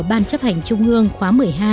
ban chấp hành trung gương khóa một mươi hai